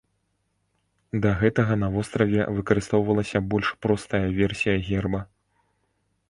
Да гэтага на востраве выкарыстоўвалася больш простая версія герба.